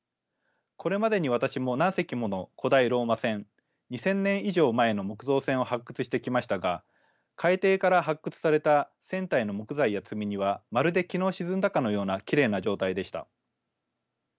これまでに私も何隻もの古代ローマ船２，０００年以上前の木造船を発掘してきましたが海底から発掘された船体の木材や積み荷はまるで昨日沈んだかのようなきれいな状態でした。